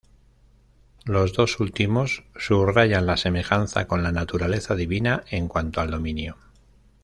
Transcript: Los dos últimos subrayan la semejanza con la naturaleza divina en cuanto al dominio.